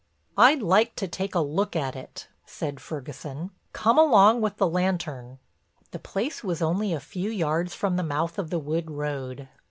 "I'd like to take a look at it," said Ferguson. "Come along with the lantern." The place was only a few yards from the mouth of the wood road.